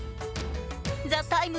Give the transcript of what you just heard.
「ＴＨＥＴＩＭＥ，」